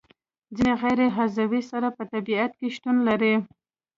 ځینې غیر عضوي سرې په طبیعت کې شتون لري.